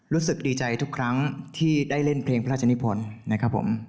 รู้สึกดีใจทุกครั้งที่ได้เล่นเพลงพระราชนิพลนะครับผม